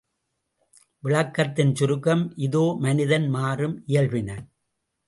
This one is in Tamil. விளகக்கத்தின் சுருக்கம் இதோ மனிதன் மாறும் இயல்பினன்.